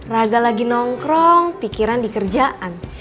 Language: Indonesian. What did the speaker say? raga lagi nongkrong pikiran dikerjaan